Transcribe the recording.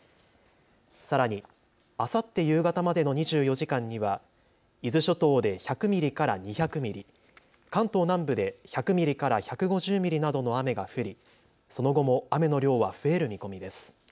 さらにあさって夕方までの２４時間には伊豆諸島で１００ミリから２００ミリ、関東南部で１００ミリから１５０ミリなどの雨が降りその後も雨の量は増える見込みです。